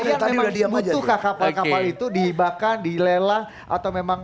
apakah memang dibutuhkan kapal kapal itu dibakar dilelah atau memang